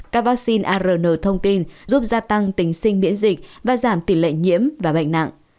các vaccine arn thông tin giúp gia tăng tính sinh miễn dịch và giảm tỷ lệ nhiễm và bệnh nặng